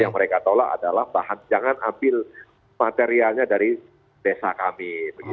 yang mereka tolak adalah jangan ambil materialnya dari desa kami